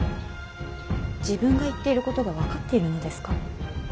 自分が言っていることが分かっているのですか。